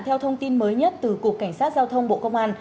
theo thông tin mới nhất từ cục cảnh sát giao thông bộ công an